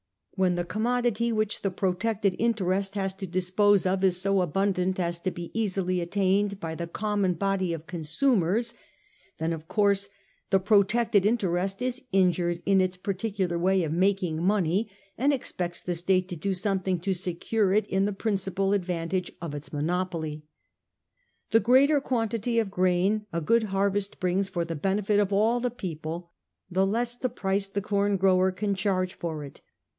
When the commodity which the protected interest has to dispose of is so abundant as to be easily attained by the common body of con sumers, then of course the protected interest is injured in its particular way of making money, and expects the State to do something to secure it in the principal advantage of its monopoly. The greater quantity of grain a good harvest brings for the benefit of all the people, the less the price the corn grower can charge for it.